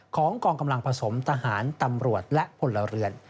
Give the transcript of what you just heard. กองกำลังผสมทหารตำรวจและพลเรือน